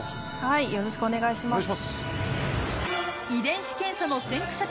よろしくお願いします。